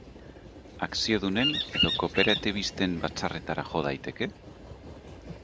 Akziodunen edo kooperatibisten batzarretara jo daiteke?